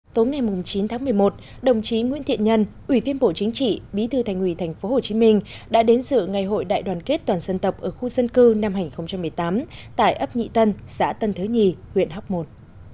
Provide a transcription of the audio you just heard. tối ngày chín tháng một mươi một đồng chí nguyễn thiện nhân ủy viên bộ chính trị bí thư thành ủy tp hcm đã đến dự ngày hội đại đoàn kết toàn dân tộc ở khu dân cư năm hai nghìn một mươi tám tại ấp nhị tân xã tân thới nhì huyện hóc môn